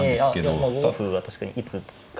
５五歩は確かにいつか。